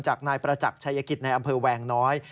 จากนายประจักษ์ชายกิจในอำเภอแวงน้อย